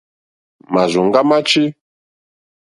Màrzòŋɡá má tʃí.